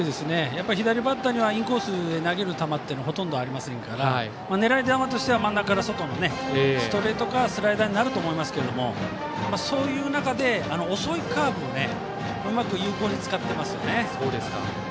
やはり左バッターにはインコースの投げる球がほとんどありませんから狙い球としては真ん中から外のストレートかスライダーになると思いますがそういう中で遅いカーブをうまく有効に使っていますね。